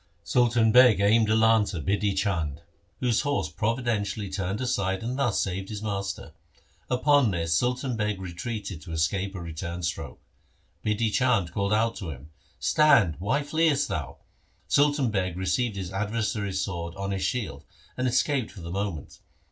Sultan Beg aimed a lance at Bidhi Chand, whose horse providentially turned aside and thus saved his master. Upon this Sultan Beg retreated to escape a return stroke. Bidhi Chand called out to him, 1 Stand, why fleest thou ?' Sultan Beg received his adversary's sword on his shield, and escaped for the moment.